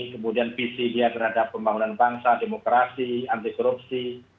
kemudian visi dia terhadap pembangunan bangsa demokrasi anti korupsi